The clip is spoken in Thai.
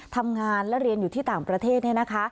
ทำงานและเรียนอยู่ที่ต่างประเทศ